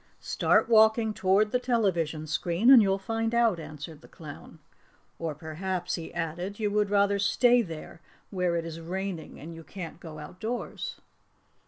"Start walking toward the television screen and you'll find out," answered the clown. "Or perhaps," he added, "you would rather stay there where it is raining and you can't go outdoors."